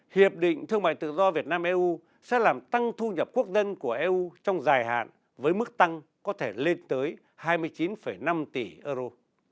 hiệp định thương mại tự do việt nam eu sẽ làm tăng thu nhập quốc dân của eu trong dài hạn với mức tăng có thể lên tới hai mươi chín năm tỷ euro